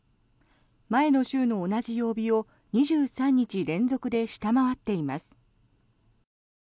前の週の同じ曜日を２３日連続で下回っています。